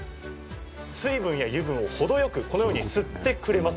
水分や油分を程よくこのように吸ってくれます。